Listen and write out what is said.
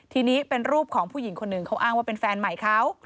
ทีนี้เป็นรูปของผู้หญิงคนหนึ่งเขาอ้างว่าเป็นแฟนใหม่เขา